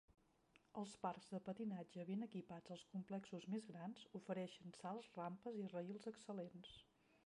Els parcs de patinatge ben equipats als complexos més grans ofereixen salts, rampes i rails excel·lents.